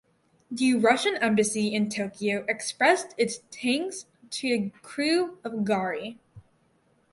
The Russian Embassy in Tokyo expressed its thanks to the crew of "Gari".